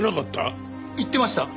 言ってました。